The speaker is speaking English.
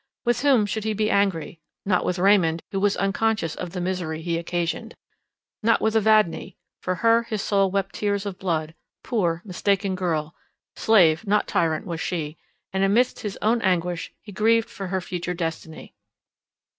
With whom should he be angry? Not with Raymond, who was unconscious of the misery he occasioned; not with Evadne, for her his soul wept tears of blood—poor, mistaken girl, slave not tyrant was she, and amidst his own anguish he grieved for her future destiny.